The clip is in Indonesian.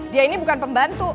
dia ini bukan pembantu